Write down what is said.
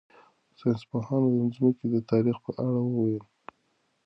ساینس پوهانو د ځمکې د تاریخ په اړه وویل.